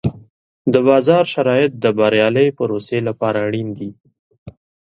د بازار شرایط د بریالۍ پروسې لپاره اړین دي.